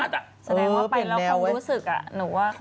แสดงว่าไปแล้วคงรู้สึกอ่ะหนูว่าคงรู้สึกดีแหละคงรู้สึกดี